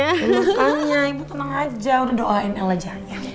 makanya ibu tenang aja udah doain el aja